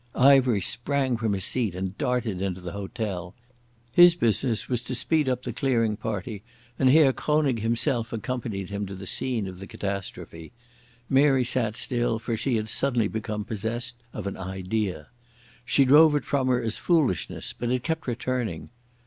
Ivery sprang from his seat and darted into the hotel. His business was to speed up the clearing party, and Herr Kronig himself accompanied him to the scene of the catastrophe. Mary sat still, for she had suddenly become possessed of an idea. She drove it from her as foolishness, but it kept returning.